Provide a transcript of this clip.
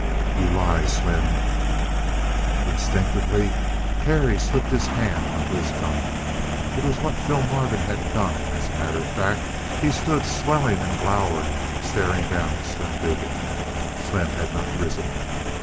"You lie, Slim!" Instinctively Terry slipped his hand onto his gun. It was what Phil Marvin had done, as a matter of fact. He stood swelling and glowering, staring down at Slim Dugan. Slim had not risen.